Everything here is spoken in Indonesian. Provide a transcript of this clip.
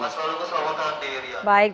baik terima kasih